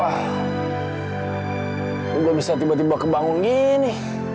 aku bisa tiba tiba kebangun gini